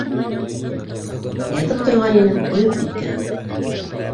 Ятып торған инем, ойоп киткәнмен.